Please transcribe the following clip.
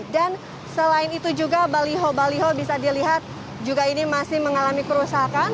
dan selain itu juga baliho baliho bisa dilihat juga ini masih mengalami kerusakan